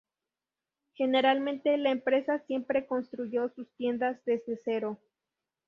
Generalmente la empresa siempre construyó sus tiendas desde cero.